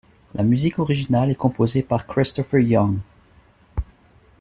La musique originale est composée par Christopher Young.